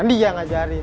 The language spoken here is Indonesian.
kan dia yang ngajarin